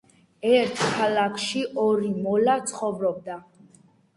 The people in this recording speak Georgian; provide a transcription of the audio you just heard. ერთ ქალაქში ორი მოლა ცხოვრობდა